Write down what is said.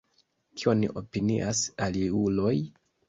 Kion opinias aliuloj?